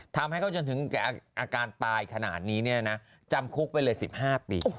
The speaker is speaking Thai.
ทำให้เขาจนถึงแก่อาการตายขนาดนี้เนี่ยนะจำคุกไปเลย๑๕ปี